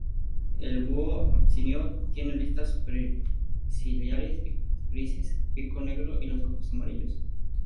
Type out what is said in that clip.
El búho abisinio tiene listas superciliares grises, pico negro y los ojos amarillos.